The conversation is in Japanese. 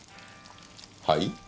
はい？